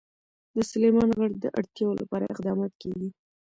د سلیمان غر د اړتیاوو لپاره اقدامات کېږي.